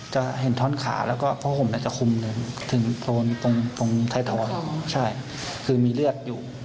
จะเห็นท้อนขาแล้วก็พ่อผมน่าจะคุมถึงโทนตรงไทยถอยคือมีเลือดอยู่